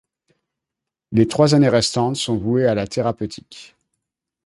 Les trois années restantes sont vouées à la thérapeutique.